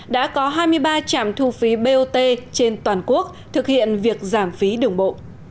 đã có hai mươi ba trạm thu phí bot trên toàn quốc thực hiện việc giảm phí đường bộ